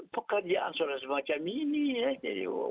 pekerjaan semacam ini ya